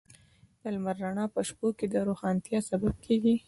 د لمر رڼا په شپو کې د روښانتیا سبب کېږي.